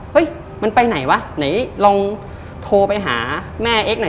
เฮ้ยมันไปไหนวะไหนลองโทรไปหาแม่เอ็กซหน่อย